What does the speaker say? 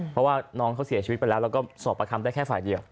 เพราะว่าน้องเขาเสียชีวิตไปแล้วแล้วก็สอบประคำได้แค่ฝ่ายเดียว